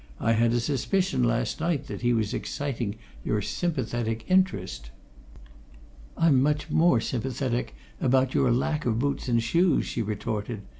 "I had a suspicion last night that he was exciting your sympathetic interest." "I'm much more sympathetic about your lack of boots and shoes," she retorted.